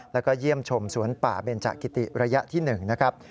แล้วก็เยี่ยมชมสวนป่าเบนจากกิติระยะที่๑นะครับ